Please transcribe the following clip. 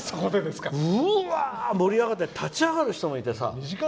うわーっ！と盛り上がって立ち上がる人もいてさ。